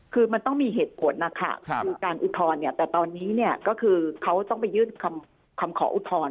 คือมันต้องมีเหตุผลนะคะคือการอุทธรณ์เนี่ยแต่ตอนนี้เนี่ยก็คือเขาต้องไปยื่นคำขออุทธรณ์